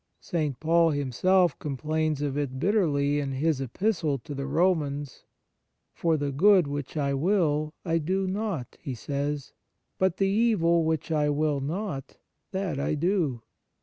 St. Paul himself complains of it bitterly in his Epistle to the Romans: " For the good which I will, I do not," he says, " but the evil which I will not, that I do.